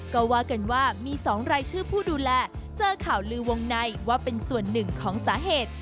ก็ว่ากันว่ามี๒รายชื่อผู้ดูแลเจอข่าวลือวงในว่าเป็นส่วนหนึ่งของสาเหตุ